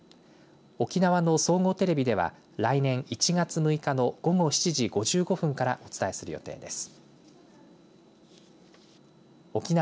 沖縄の総合テレビでは来年１月６日の午後７時５５分からお伝えする予定です。